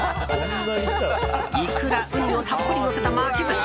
イクラ、ウニをたっぷりのせた巻き寿司。